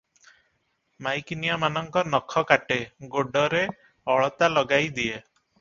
ମାଇକିନିଆମାନଙ୍କ ନଖ କାଟେ, ଗୋଡରେ ଅଳତା ଲଗାଇ ଦିଏ ।